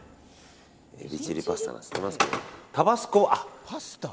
エビチリパスタなんて言ってますけど、タバスコ。